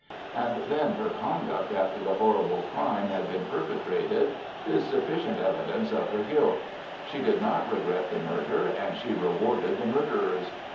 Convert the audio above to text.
And then her conduct after the horrible crime had been perpetrated is sufficient evidence of her guilt. She did not regret the murder, and she rewarded the murderers.